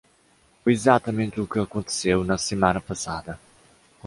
Foi exatamente o que aconteceu na semana passada.